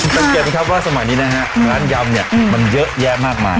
สังเกตไหมครับว่าสมัยนี้นะฮะร้านยำเนี่ยมันเยอะแยะมากมาย